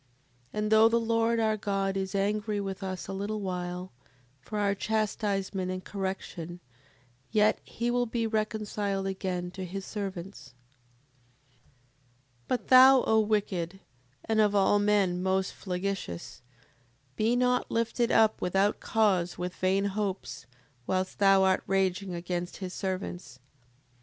7:33. And though the Lord, our God, is angry with us a little while, for our chastisement and correction, yet he will be reconciled again to his servants. 7:34. But thou, O wicked, and of all men most flagitious, be not lifted up without cause with vain hopes, whilst thou art raging against his servants. 7:35.